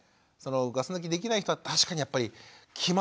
ガス抜きできない人は確かにやっぱりきますよね。